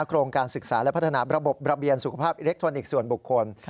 โครงการศึกษาและพัฒนาระบบระเบียนสุขภาพอิเล็กทรอนิกส์ส่วนบุคคล